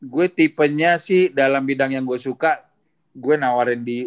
gue tipenya sih dalam bidang yang gue suka gue nawarin di